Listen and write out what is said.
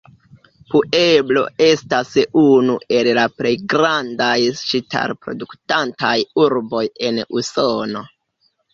Pueblo estas unu el la plej grandaj ŝtal-produktantaj urboj en Usono.